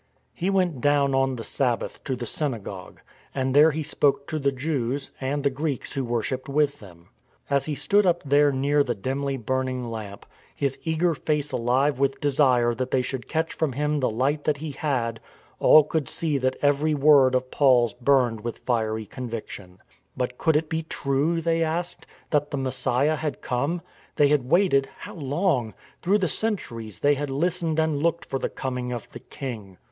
He went down on the Sabbath to the synagogue, and there he spoke to the Jews, and the Greeks who wor shipped with them. * J Thess. ii. 9. 202 STORM AND STRESS As he stood up there near the dimly burning lamp, his eager face alive with desire that they should catch from him the light that he had, all could see that every word of Paul's burned with fiery conviction. But could it be true? they asked, that the Messiah had come. They had waited, how long !— through the cen turies they had listened and looked for the coming of the King.